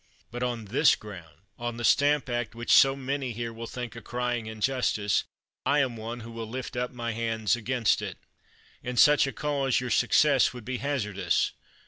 But on this ground, on the Stamp Act, which so many here will think a crying injustice, I am one who will lift up my hands against it. In such a cause, your success would be haz ardous.